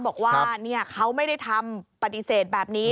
บอกว่าเขาไม่ได้ทำปฏิเสธแบบนี้